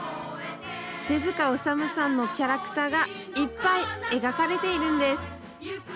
手塚治虫さんのキャラクターがいっぱい描かれているんです。